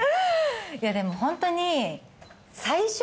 いやでもホントに。